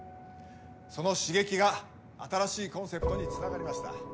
その刺激が新しいコンセプトにつながりました。